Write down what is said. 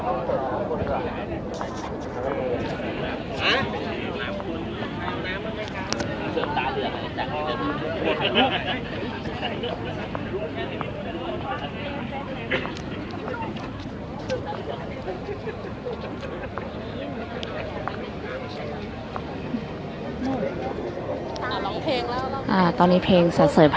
มันเป็นสิ่งที่จะให้ทุกคนรู้สึกว่ามันเป็นสิ่งที่จะให้ทุกคนรู้สึกว่า